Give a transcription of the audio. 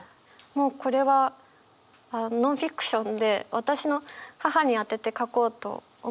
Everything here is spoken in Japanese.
もうこれはノンフィクションで私の母に宛てて書こうと思って。